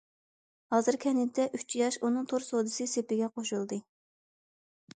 ھازىر كەنتتە ئۈچ ياش ئۇنىڭ تور سودىسى سېپىگە قوشۇلدى.